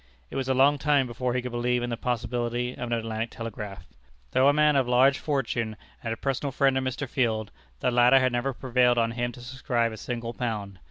It was a long time before he could believe in the possibility of an Atlantic Telegraph. Though a man of large fortune, and a personal friend of Mr. Field, the latter had never prevailed on him to subscribe a single pound.